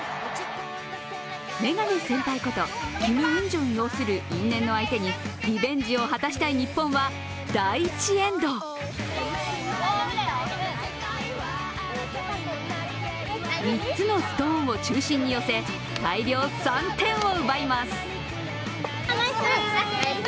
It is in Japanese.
メガネ先輩こと、キム・ウンジョン擁する因縁の相手にリベンジを果たしたい日本は第１エンド３つのストーンを中心に寄せ大量３点を奪います。